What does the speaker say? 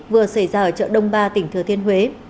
vừa xảy ra ở chợ đông ba tỉnh thừa thiên huế